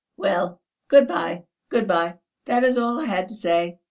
Well, good bye, good bye, that is all I had to say."